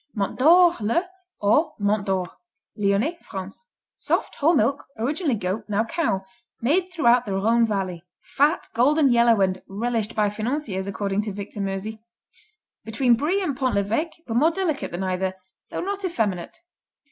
Mont d'or, le, or Mont Dore Lyonnais, France Soft; whole milk; originally goat, now cow; made throughout the Rhone Valley. Fat, golden yellow and "relished by financiers" according to Victor Meusy. Between Brie and Pont l'Evêque but more delicate than either, though not effeminate.